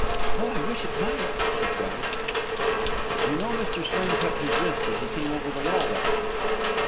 "Oh, I wish it might!" she cried. "You know Mr. Swain cut his wrist as he came over the wall that night?"